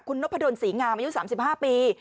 คุณนพดลศรีงามอายุ๓๕ปี